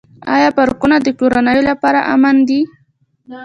آیا پارکونه د کورنیو لپاره امن دي؟